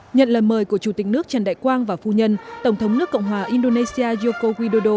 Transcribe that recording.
nhận lời mời của chủ tịch nước trần đại quang và phu nhân tổng thống nước cộng hòa indonesia yoko widodo